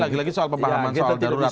lagi lagi soal pemahaman soal darurat